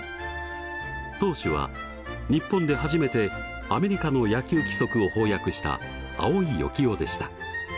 投手は日本で初めてアメリカの野球規則を邦訳した青井鉞男でした。